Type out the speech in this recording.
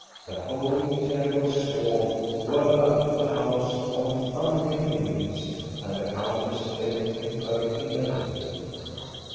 The whole terrible swarm whirled up to the house on thundering wings, and the countess fled into her inner room.